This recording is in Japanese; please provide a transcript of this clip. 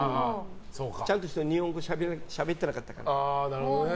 ちゃんとした日本語しゃべってなかったから。